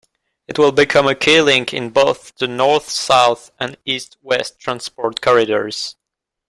It will become a key link in both the North-South and East-West transport corridors.